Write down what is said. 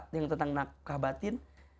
dengan tentang nafkah batin